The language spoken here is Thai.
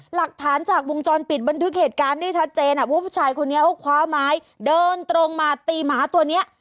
หลักฐานจากวงจรปิดบันทึกเหตุการณ์ได้ชัดเจนว่าผู้ชายคนนี้เขาคว้าไม้เดินตรงมาตีหมาตัวเนี้ย